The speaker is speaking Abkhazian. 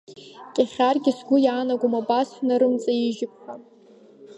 Кьахьыргьы сгәы иаанагом абас ҳнарымҵаижьып ҳәа…